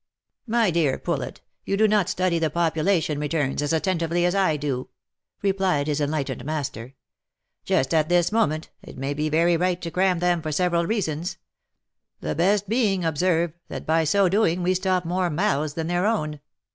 '•* My dear Poulet, you do not study the population returns as at tentively as I do," replied his enlightened master. " Just at this moment it may be very right to cram them for several reasons — the best being, observe, that by so doing we stop more mouths than their own.